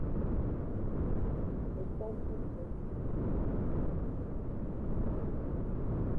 Efencucu.